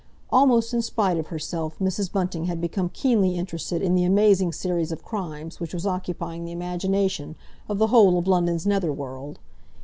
Almost in spite of herself, Mrs. Bunting had become keenly interested in the amazing series of crimes which was occupying the imagination of the whole of London's nether world.